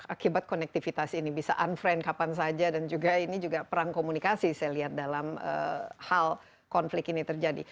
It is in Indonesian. akibat konektivitas ini bisa unfriend kapan saja dan juga ini juga perang komunikasi saya lihat dalam hal konflik ini terjadi